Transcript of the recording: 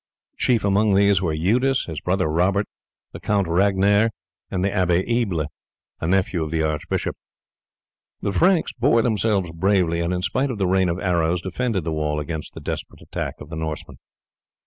Chief among these were Eudes, his brother Robert, the Count Ragenaire, and the Abbe Ebble, a nephew of the archbishop. The Franks bore themselves bravely, and in spite of the rain of arrows defended the walls against the desperate attacks of the Northmen.